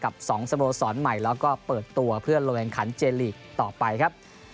๒สโมสรใหม่แล้วก็เปิดตัวเพื่อลงแข่งขันเจลีกต่อไปครับ